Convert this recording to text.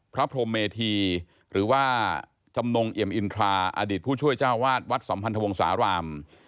พระพรมเมธีหรือว่าจำนงเอี่ยมอินทราอดีตผู้ช่วยเจ้าวาดวัดสัมพันธวงศาลาม